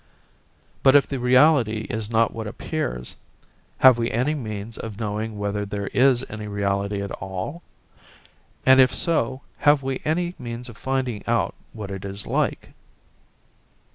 But if the reality is not what appears, have we any means of knowing whether there is any reality at all? And if so, have we any means of finding out what it is like?